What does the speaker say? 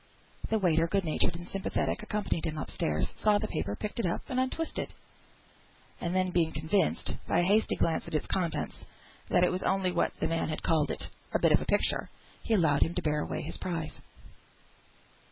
The waiter, good natured and sympathetic, accompanied him up stairs; saw the paper picked up and untwisted, and then being convinced, by a hasty glance at its contents, that it was only what the man had called it, "a bit of a picture," he allowed him to bear away his prize.